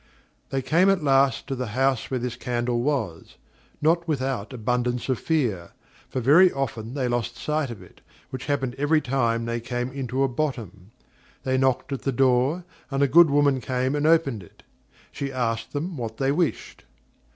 They came at last to the house where this candle was, not without abundance of fear; for very often they lost sight of it, which happened every time they came into a bottom. They knocked at the door, and a good woman came and open'd it; she asked them what they wished.